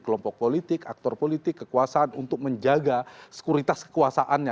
kelompok politik aktor politik kekuasaan untuk menjaga sekuritas kekuasaannya